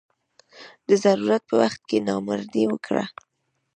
د ضرورت په وخت کې نامردي وکړه.